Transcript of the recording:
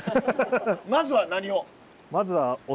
まずは何を？